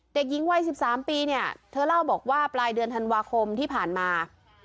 เด็กหญิงวัย๑๓ปีเนี่ยเธอเล่าบอกว่าปลายเดือนธันวาคมที่ผ่านมา